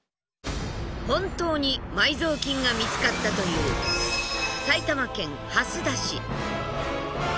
本当に埋蔵金が見つかったという埼玉県蓮田市。